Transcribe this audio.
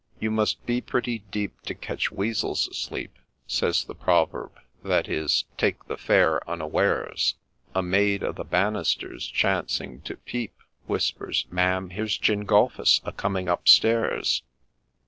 ' You must be pretty deep to catch weazels asleep,' Says the proverb : that is ' take the Fair unawares ;' A maid o'er the banisters chancing to peep, Whispers, ' Ma'am, here 's Gengulphus a coming up stairs.'